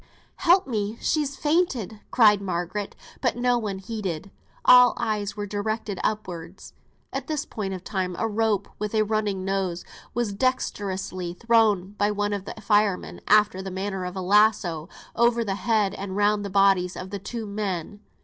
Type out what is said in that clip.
"Help me! she's fainted," cried Margaret. But no one heeded. All eyes were directed upwards. At this point of time a rope, with a running noose, was dexterously thrown by one of the firemen, after the manner of a lasso, over the head and round the bodies of the two men.